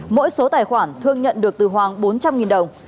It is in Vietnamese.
mỗi số tài khoản thương nhận được từ khoảng bốn trăm linh đồng